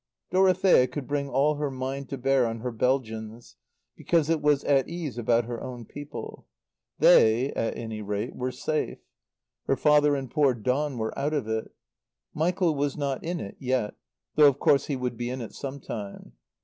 Dorothea could bring all her mind to bear on her Belgians, because it was at ease about her own people. They, at any rate, were safe. Her father and poor Don were out of it. Michael was not in it yet; though of course he would be in it some time.